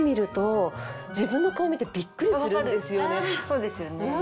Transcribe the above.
そうですよね。